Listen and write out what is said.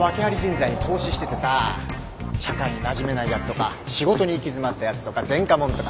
社会になじめないやつとか仕事に行き詰まったやつとか前科者とか。